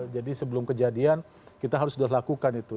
jadi sebelum kejadian kita harus sudah lakukan itu